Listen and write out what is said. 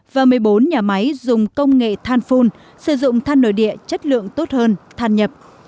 và một mươi bốn nhà máy dùng công nghệ than phun sử dụng than nội địa chất lượng tốt hơn than nhập